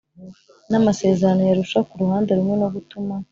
n amasezerano y Arusha ku ruhande rumwe no gutuma